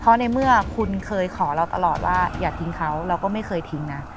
เพราะในเมื่อคุณเคยขอเราตลอดว่าอย่าทิ้งเขาเราก็ไม่เคยทิ้งนะ